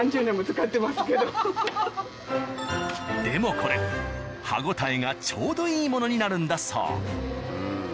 でもこれ歯ごたえがちょうどいいものになるんだそう。